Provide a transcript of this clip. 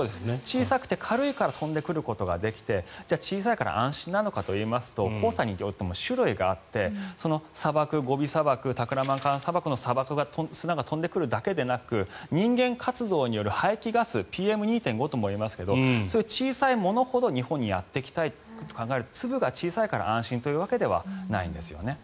小さくて軽いから飛んでくることができて小さいから安心なのかというと黄砂によっても種類があってもゴビ砂漠タクラマカン砂漠の砂が飛んでくるだけでなく人間活動による排気ガスＰＭ２．５ともいいますがそういう小さいものほど日本にやってくると考えると粒が小さいから安心というわけでもないんですね。